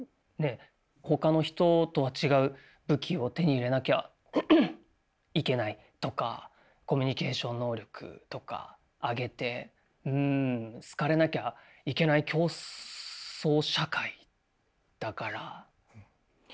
ほかの人とは違う武器を手に入れなきゃいけないとかコミュニケーション能力とか上げて好かれなきゃいけない競争社会だから。